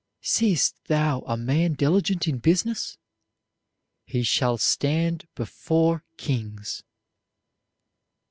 Seest thou a man diligent in business? He shall stand before kings.